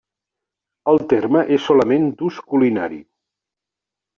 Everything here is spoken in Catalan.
El terme és solament d'ús culinari.